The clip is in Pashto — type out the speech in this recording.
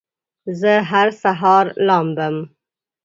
زه هر سهار لامبم